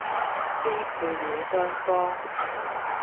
支配了雙方